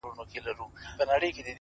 قرآن يې د ښايست ټوله صفات راته وايي;